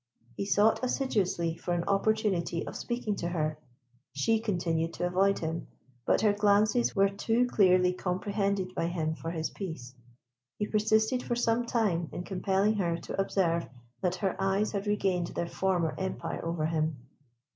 He sought assiduously for an opportunity of speaking to her. She continued to avoid him; but her glances were too clearly comprehended by him for his peace. He persisted for some time in compelling her to observe that her eyes had regained their former empire over him.